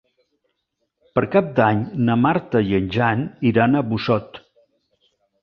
Per Cap d'Any na Marta i en Jan iran a Busot.